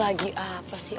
lagi apa sih